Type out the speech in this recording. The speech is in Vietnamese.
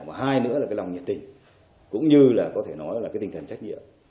và hai nữa là cái lòng nhiệt tình cũng như là có thể nói là cái tinh thần trách nhiệm